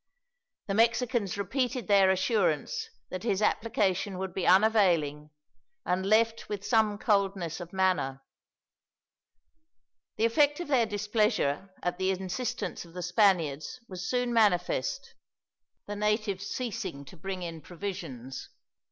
The Mexicans repeated their assurance that his application would be unavailing, and left with some coldness of manner. The effect of their displeasure at the insistence of the Spaniards was soon manifest, the natives ceasing to bring in provisions.